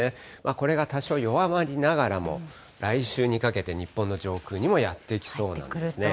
これが多少弱まりながらも、来週にかけて、日本の上空にもやって来そうなんですね。